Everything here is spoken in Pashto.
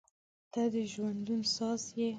• ته د ژوندون ساز یې.